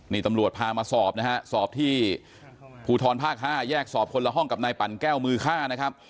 นี่ตำรวจพามาสอบนะฮะสอบที่ภูทรภาค๕แยกสอบคนละห้องกับนายปั่นแก้วมือฆ่านะครับ